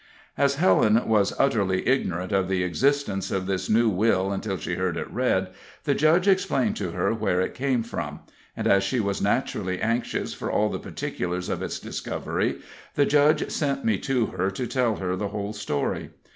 As Helen was utterly ignorant of the existence of this new will until she heard it read, the judge explained to her where it came from; and as she was naturally anxious for all the particulars of its discovery, the judge sent me to her to tell her the whole story.